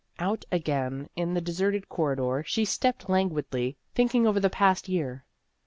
Out again in the deserted corridor, she stepped languidly, thinking over the past year.